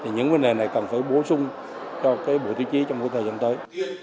những vấn đề này cần phải bổ sung cho bộ tiêu chí trong thời gian tới